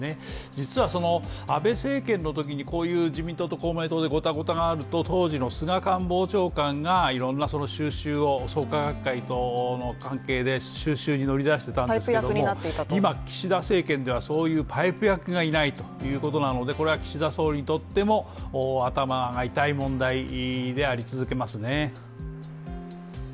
実はその安倍政権のときにこういう自民党と公明党でゴタゴタがあると、当時の菅官房長官がいろんな収拾を創価学会との関係で収拾に乗り出していたんですけれども今、岸田政権ではそういうパイプ役がいないということで、これは岸田総理にとっても頭が痛い問題であり続けますね。